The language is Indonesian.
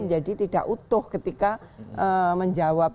jadi tidak utuh ketika menjawab